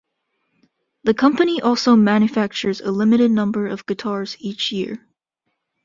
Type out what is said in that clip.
The company also manufactures a limited number of guitars each year.